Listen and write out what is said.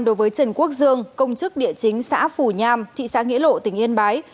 đối với trần quốc dương công chức địa chính xã phủ nham thị xã nghĩa lộ tỉnh yên bái